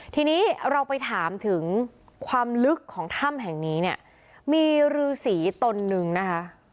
ทีนี้เราไปถามถึงความลึกของถ้ำแห่งนี้เนี่ยมีรือสีตนนึงนะคะ